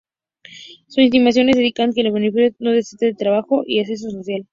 Sus investigaciones indican que el beneficio no desalienta el trabajo y el ascenso social.